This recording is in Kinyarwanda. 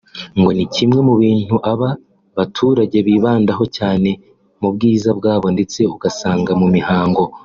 ngo ni kimwe mu bintu aba baturage bibandaho cyane mu bwiza bwabo ndetse usanga mu mihango